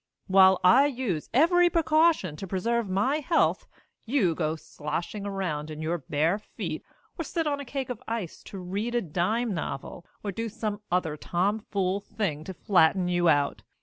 While I use every precaution to preserve my health, you go sloshing around in your bare feet, or sit on a cake of ice to read a dime novel, or do some other tomfool thing to flatten you out.